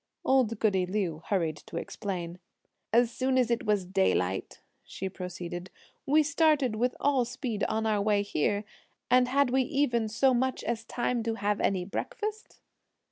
Old goody Liu hurried to explain. "As soon as it was daylight," she proceeded, "we started with all speed on our way here, and had we even so much as time to have any breakfast?"